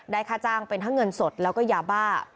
ค่าจ้างเป็นทั้งเงินสดแล้วก็ยาบ้า